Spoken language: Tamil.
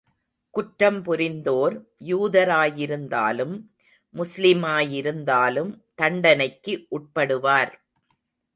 குற்றம் புரிந்தோர் யூதராயிருந்தாலும், முஸ்லிமாயிருந்தாலும் தண்டனைக்கு உட்படுவார்.